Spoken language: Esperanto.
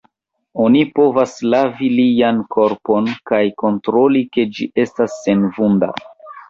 Oni povas lavi lian korpon, kaj kontroli, ke ĝi estas senvunda.